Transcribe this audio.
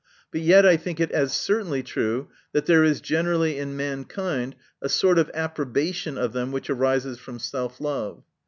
But yet I think it as certainly true that there is generally in man kind a sort of approbation of them, which arises from self love.